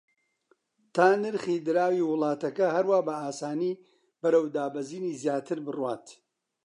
تا نرخی دراوی وڵاتەکە هەروا بە ئاسانی بەرەو دابەزینی زیاتر بڕوات